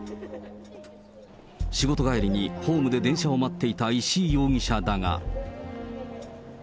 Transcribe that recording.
仕事帰りにホームで電車を待っていた石井容疑者だが。